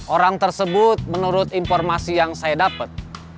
orang tersebut menurut informasi yang saya dapat